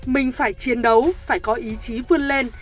mình phải chiến đấu phải có ý chí vươn lên